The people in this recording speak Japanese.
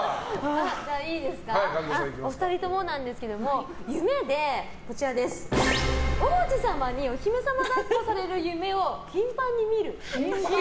お二人ともなんですけど夢で王子様にお姫様抱っこされる夢を頻繁に見る。